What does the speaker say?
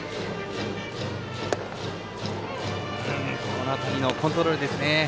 この辺りのコントロールですね。